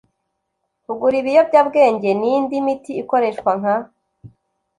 Kugura ibiyobyabwenge n indi miti ikoreshwa nka